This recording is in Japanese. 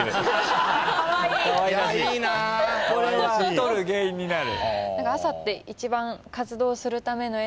これは太る原因になる？